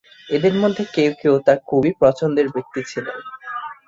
এদের মধ্যে কেউ কেউ তার খুবই পছন্দের ব্যক্তি ছিলেন।